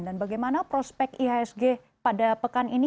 dan bagaimana prospek ihsg pada pekan ini